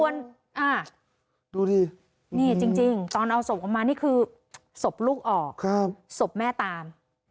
ดูดินี่จริงตอนเอาศพออกมานี่คือศพลูกออกศพแม่ตาม